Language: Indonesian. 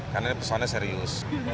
karena ini pesannya serius